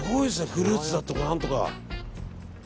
フルーツだとか、何とか。